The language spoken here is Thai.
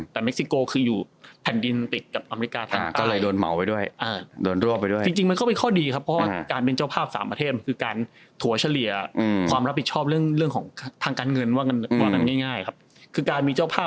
แต่เม็กซิโกคืออยู่แผ่นดินติดกับอเมริกาแทน